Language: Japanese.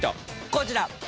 こちら。